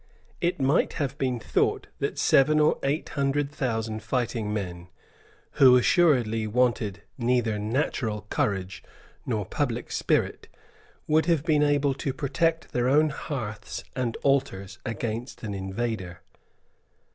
It might have been thought that seven or eight hundred thousand fighting men, who assuredly wanted neither natural courage nor public spirit, would have been able to protect their own hearths and altars against an invader.